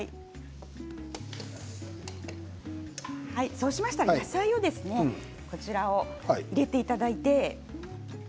そうしましたら野菜を入れていただいて。